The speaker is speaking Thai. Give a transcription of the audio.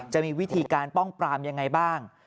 จะมีวิธีการป้องปรามยังไงบ้าง